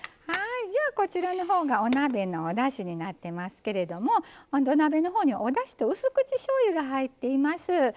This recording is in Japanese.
こちらのほうがお鍋のおだしになってますけど土鍋のほうに、おだしとうす口しょうゆが入っています。